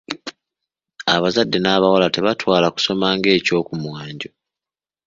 Abazadde n'abawala tebatwala kusoma nga ekyokumwanjo.